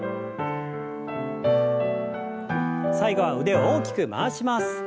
最後は腕を大きく回します。